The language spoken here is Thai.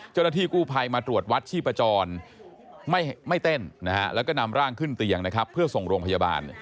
เจ้าหน้าที่กู้ภัยมาตรวจวัดชีพจรไม่เต้นนะฮะแล้วก็นำร่างขึ้นเตียงนะครับเพื่อส่งโรงพยาบาล